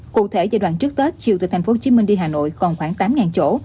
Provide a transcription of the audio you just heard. cụ thể giai đoạn trước tết chiều từ tp hcm đi hà nội còn khoảng tám chỗ